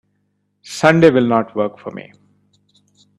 Sunday will not work for me.